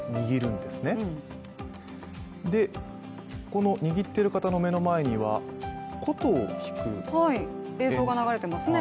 で、この握っている方の目の前には琴を弾く映像が流れていますね。